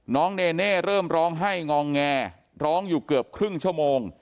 เนเน่เริ่มร้องไห้งองแงร้องอยู่เกือบครึ่งชั่วโมง